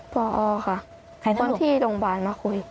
พอค่ะตอนที่โรงพยาบาลมาคุย